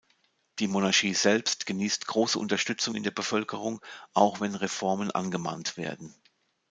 Die Monarchie selbst genießt große Unterstützung in der Bevölkerung, auch wenn Reformen angemahnt werden.